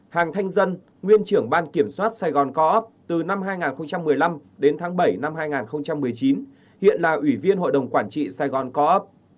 hàng thanh dân nguyên trưởng ban kiểm soát saigon co op từ năm hai nghìn một mươi năm đến tháng bảy năm hai nghìn một mươi chín hiện là ủy viên hội đồng quản trị saigon co op